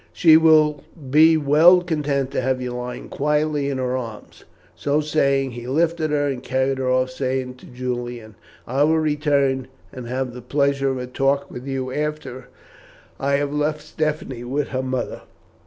She will be well content to have you lying quietly in her arms." So saying, he lifted her and carried her off, saying to Julian, "I will return and have the pleasure of a talk with you after I have left Stephanie with her mother."